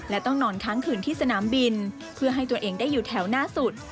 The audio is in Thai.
และต้องนอนค้างคืนที่สนามบินเพื่อให้ตัวเองได้อยู่แถวหน้าสุด